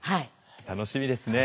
楽しみですね。